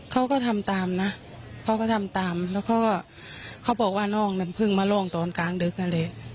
เขาก็ทำตามนะเขาก็ทำตามแล้วก็เขาบอกว่าน้องนั้นเพิ่งมาร่องตอนกลางดึกนั่นแหละ